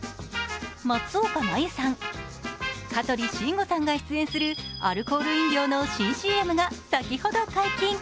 松岡茉優さん、香取慎吾さんが出演するアルコール飲料の新ＣＭが先ほど解禁。